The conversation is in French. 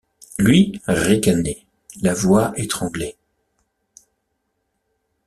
Lui ricanait, la voix étranglée.